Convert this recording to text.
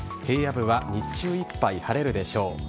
平野部は日中いっぱい晴れるでしょう。